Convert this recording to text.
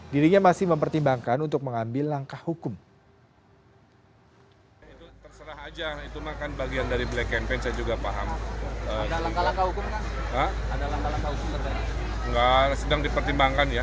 dirinya masih mempertimbangkan untuk mengambil langkah hukum